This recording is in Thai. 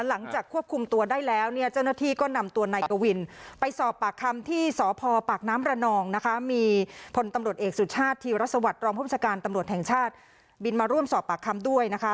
หลังจากควบคุมตัวได้แล้วเนี่ยเจ้าหน้าที่ก็นำตัวนายกวินไปสอบปากคำที่สพปากน้ำระนองนะคะมีพลตำรวจเอกสุชาติธีรสวัสดิรองผู้บัญชาการตำรวจแห่งชาติบินมาร่วมสอบปากคำด้วยนะคะ